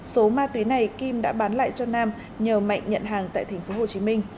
số ma túy này kim đã bán lại cho nam nhờ mạnh nhận hàng tại tp hcm